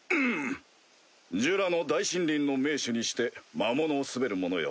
ジュラの大森林の盟主にして魔物を統べる者よ。